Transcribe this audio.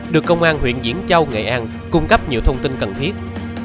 được công an huyện diễn châu nghệ an cung cấp nhiều thông tin cần thiết